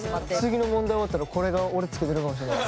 次の問題終わったらこれが俺つけてるかもしれない。